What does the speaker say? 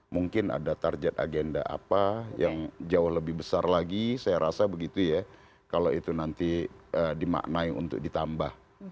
mungkin ada target agenda apa yang jauh lebih besar lagi saya rasa begitu ya kalau itu nanti dimaknai untuk ditambah